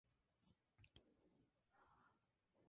Aunque verdaderamente nunca tuvo poder fuera de la región de Tebas.